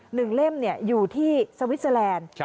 หนึ่งเล่มอยู่ที่สวิสเซอแลนด์